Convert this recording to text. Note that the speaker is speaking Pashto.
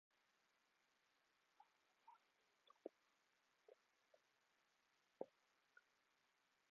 هغه د بهرنیو دښمنانو د پوځي لاسوهنې یادونه کړې.